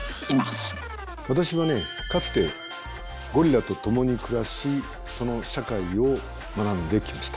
私はねかつてゴリラと共に暮らしその社会を学んできました。